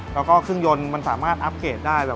แล้วก็เครื่องยนต์มันสามารถอัพเกตได้